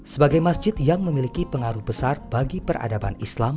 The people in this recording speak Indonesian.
sebagai masjid yang memiliki pengaruh besar bagi peradaban islam